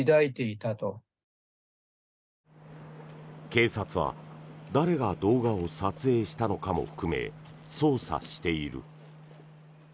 警察は誰が動画を撮影したのかも含め捜査している。